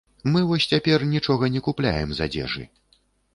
Мы вось цяпер нічога не купляем з адзежы.